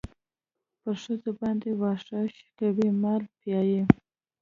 پر ښځو باندې واښه شکوي مال پيايي.